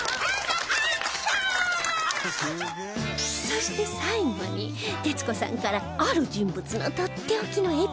そして最後に徹子さんからある人物のとっておきのエピソードが